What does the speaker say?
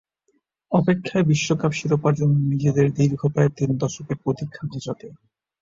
অপেক্ষায় বিশ্বকাপ শিরোপার জন্য নিজেদের দীর্ঘ প্রায় তিন দশকের প্রতীক্ষা ঘোচাতে।